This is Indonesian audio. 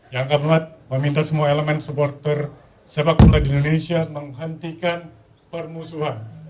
yang keempat meminta semua elemen supporter sepak bola di indonesia menghentikan permusuhan